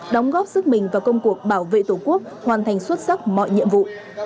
đóng góp sức mình vào công cuộc bảo vệ tổ quốc hoàn thành xuất sắc mọi nhiệm vụ